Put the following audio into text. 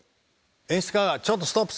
演出家が「ちょっとストップ！